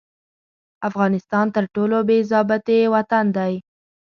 افغانستان تر ټولو بې ضابطې وطن دي.